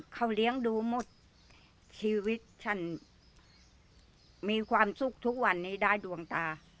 เขาเลี้ยงดูหมดชีวิตฉันมีความสุขทุกวันนี้ได้ดวงตา